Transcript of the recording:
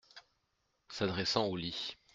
S’adressant au lit.